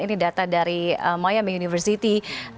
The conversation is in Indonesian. ini data dari miyaming university